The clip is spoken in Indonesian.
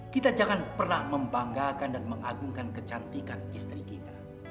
kita jangan pernah membanggakan dan mengagungkan kecantikan istri kita